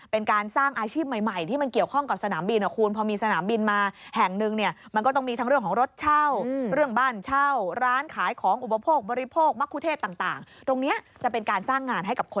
เป็นการสร้างอาชีพใหม่ที่มันเกี่ยวข้องกับสนามบิน